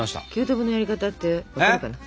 ９等分のやり方ってわかるかな？